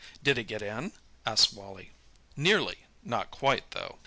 "Did he get in?" asked Wally. "Nearly—not quite, though.